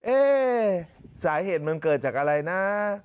เอ่ยยยยยยยยสาเหตุมันเกิดจากอะไรนะ